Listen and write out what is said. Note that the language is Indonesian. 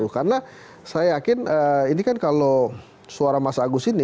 karena saya yakin ini kan kalau suara mas agus ini